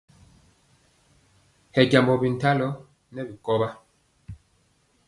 Hɛ jambɔ bintalɔ nɛ bikɔwa.